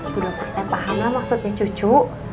bu dokter paham lah maksudnya cucu